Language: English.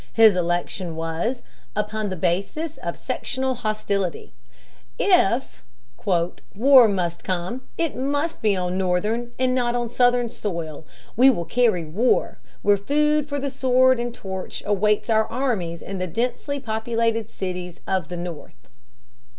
His election was "upon the basis of sectional hostility." If "war must come, it must be on Northern and not on Southern soil.... We will carry war ... where food for the sword and torch awaits our armies in the densely populated cities" of the North.